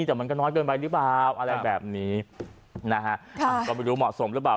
แต่มันก็น้อยเกินไปหรือเปล่าอะไรแบบนี้นะฮะก็ไม่รู้เหมาะสมหรือเปล่า